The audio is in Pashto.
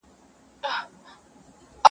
جام د میني راکړه-